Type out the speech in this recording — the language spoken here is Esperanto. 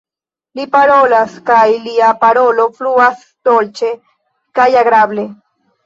Li parolas, kaj lia parolo fluas dolĉe kaj agrable.